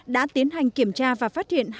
đã tiến hành kiểm tra và phát hiện